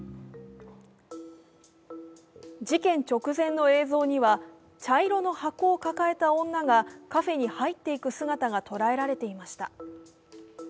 事件直前の映像には茶色の箱を抱えた女がカフェに入っていく姿が捉えられていました。